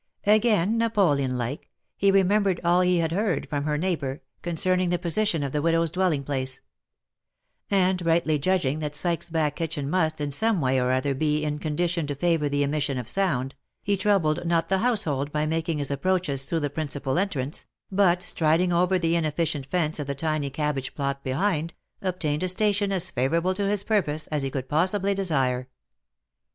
Again Napoleon like, he remembered all he had heard from her neighbour, concerning the position of the widow's dwelling place ; and rightly judging that Sykes's back kitchen must, in some way or other, be in a condition to favour the emission of sound, he troubled not the household by making his approaches through the principal entrance, but striding over the inefficient fence of the tiny cabbage plot behind, obtained a station as favourable to his pur pose, as he could possibly desire.